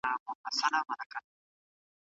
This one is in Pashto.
که تاسو هڅه وکړئ نو نوي پروګرامونه زده کولای شئ.